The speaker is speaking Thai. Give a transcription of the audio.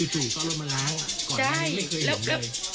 ถูกเพราะรถมันล้างอ่ะ